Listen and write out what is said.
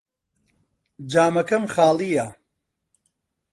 جامەکەم خاڵییە.